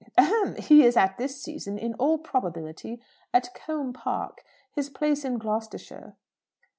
"Ahem! He is at this season, in all probability, at Combe Park, his place in Gloucestershire."